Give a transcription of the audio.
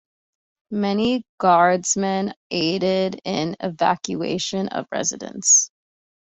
Many guardsmen aided in evacuation of residents.